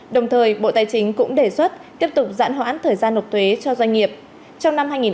đồng thời bộ tài chính cũng đề xuất tiếp tục giãn hoãn thời gian nộp thuế cho doanh nghiệp